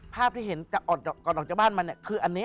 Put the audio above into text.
ภาพที่เห็นออกมาก่อนออกจากบ้านก็นี้